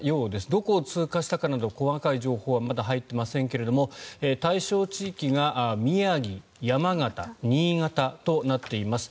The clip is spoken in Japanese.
どこを通過したかなど細かい情報はまだ入っていませんけれども対象地域が宮城、山形、新潟となっています。